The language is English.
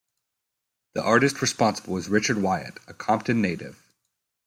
The artist responsible is Richard Wyatt, a Compton native.